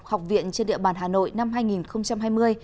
học viện trên địa bàn hà nội năm hai nghìn hai mươi